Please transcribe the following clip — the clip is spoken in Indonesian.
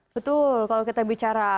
betul kalau kita bicara